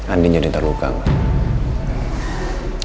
andien jadi terluka enggak